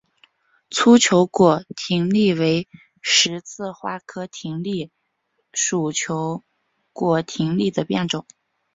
粗球果葶苈为十字花科葶苈属球果葶苈的变种。